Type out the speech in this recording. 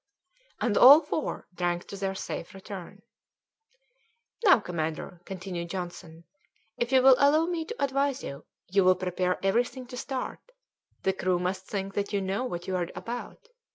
And all four drank to their safe return. "Now, commander," continued Johnson, "if you will allow me to advise you, you will prepare everything to start; the crew must think that you know what you are about.